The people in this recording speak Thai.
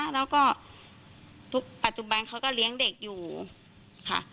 แล้วก็ทุกปัจจุบันเขาก็เลี้ยงเด็กอยู่ค่ะ